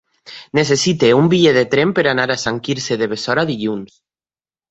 Necessito un bitllet de tren per anar a Sant Quirze de Besora dilluns.